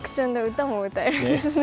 歌も歌えるんですね。